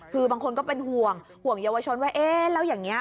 คือบางคนก็เป็นห่วงห่วงเยาวชนว่าเอ๊ะแล้วอย่างนี้